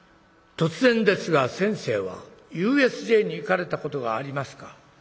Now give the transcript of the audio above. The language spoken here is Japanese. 突然ですが先生はＵＳＪに行かれたことがありますか？